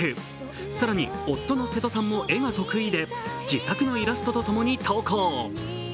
更に夫の瀬戸さんも絵が得意で自作のイラストとともに投稿。